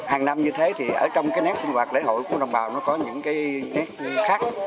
hàng năm như thế thì ở trong cái nét sinh hoạt lễ hội của đồng bào nó có những cái nét khác